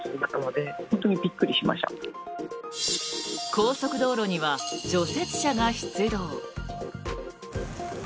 高速道路には除雪車が出動。